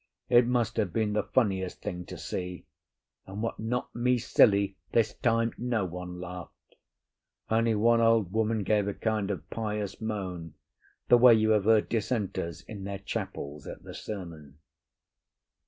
It must have been the funniest thing to see, and what knocked me silly, this time no one laughed; only one old woman gave a kind of pious moan, the way you have heard Dissenters in their chapels at the sermon.